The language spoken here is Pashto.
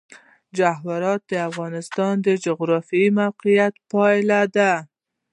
جواهرات د افغانستان د جغرافیایي موقیعت پایله ده.